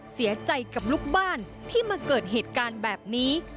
เสียใจกับลูกบ้านที่มาเกิดเหตุการณ์แบบนี้